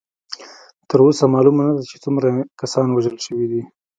تر اوسه معلومه نه ده چې څومره کسان وژل شوي دي.